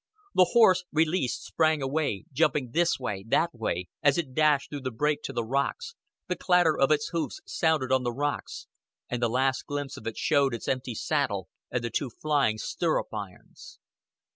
The horse, released, sprang away, jumping this way, that way, as it dashed through the brake to the rocks the clatter of its hoofs sounded on the rocks, and the last glimpse of it showed its empty saddle and the two flying stirrup irons.